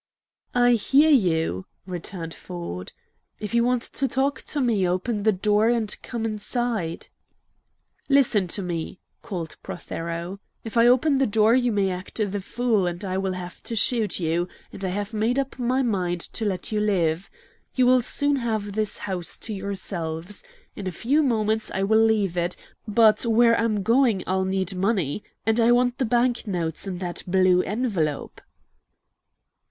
"I hear you!" returned Ford. "If you want to talk to me, open the door and come inside." "Listen to me," called Prothero. "If I open the door you may act the fool, and I will have to shoot you, and I have made up my mind to let you live. You will soon have this house to yourselves. In a few moments I will leave it, but where I am going I'll need money, and I want the bank notes in that blue envelope."